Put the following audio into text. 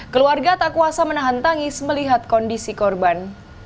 keluarga tak kuasa menahan tangis melihat kondisi korban